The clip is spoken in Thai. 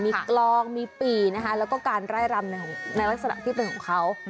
มีกลองมีปี่นะคะแล้วก็การไล่รำในลักษณะที่เป็นของเขา